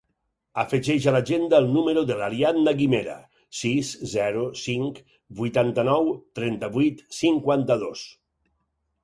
Afegeix a l'agenda el número de l'Ariadna Guimera: sis, zero, cinc, vuitanta-nou, trenta-vuit, cinquanta-dos.